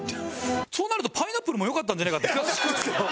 そうなるとパイナップルも良かったんじゃねえかって気がしますけど。